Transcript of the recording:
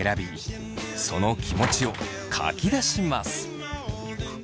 その気持ちを書き出します。